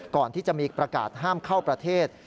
ก่อนที่จะมีประกาศห้ามเข้าประเทศ